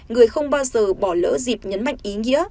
người không bao giờ bỏ lỡ dịp nhấn mạnh ý nghĩa